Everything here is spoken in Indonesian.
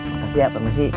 makasih ya pemisi